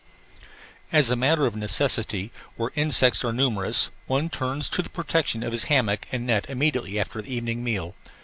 As a matter of necessity, where insects are numerous one turns to the protection of his hammock and net immediately after the evening meal.